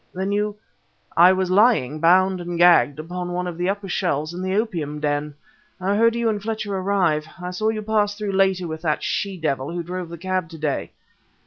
"Then you ..." "I was lying, bound and gagged, upon one of the upper shelves in the opium den! I heard you and Fletcher arrive. I saw you pass through later with that she devil who drove the cab to day